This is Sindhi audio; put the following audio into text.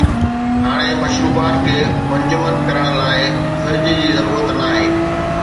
هاڻي مشروبات کي منجمد ڪرڻ لاءِ فرج جي ضرورت ناهي